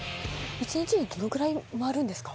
一日にどのくらい回るんですか？